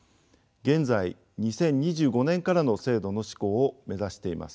現在２０２５年からの制度の施行を目指しています。